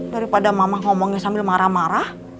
daripada mama ngomongnya sambil marah marah